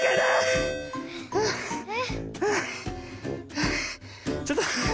はあちょっと。